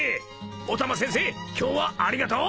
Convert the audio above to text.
お玉先生今日はありがとう。